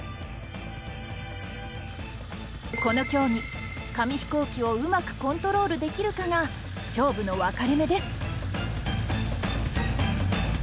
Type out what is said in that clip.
この競技紙飛行機をうまくコントロールできるかが勝負の分かれ目です！